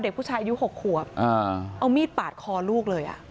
เด็กผู้ชายอายุ๖ขวบเอามีดปาดคอลูกเลย